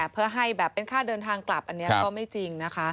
เพื่อให้แบบเป็นค่าเดินทางกลับอันนี้ก็ไม่จริงนะคะ